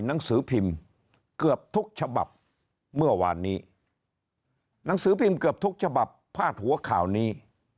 หนังสือพิมพ์เกือบทุกฉบับเมื่อวานนี้หนังสือพิมพ์เกือบทุกฉบับพาดหัวข่าวนี้